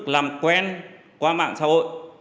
làm quen qua mạng xã hội